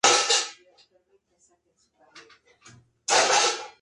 Crece rápidamente, y es muy longevo.